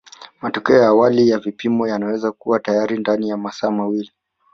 Matokeo ya awali ya vipimo yanaweza kuwa tayari ndani ya masaa mawili